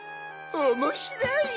おもしろい！